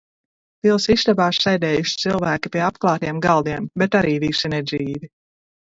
Pils istabās sēdējuši cilvēki pie apklātiem galdiem, bet arī visi nedzīvi.